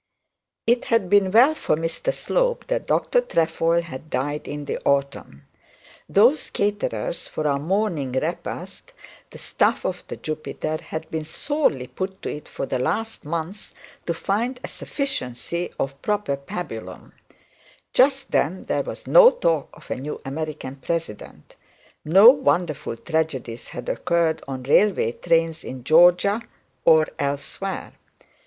It had been well for Mr Slope that Dr Trefoil had died in the autumn. Those caterers for our morning repast, the staff of the Jupiter, had been sorely put to it for the last month to find a sufficiency of proper pabulum. Just then there was no talk of a new American president. No wonderful tragedies had occurred on railway trains in Georgia, or elsewhere.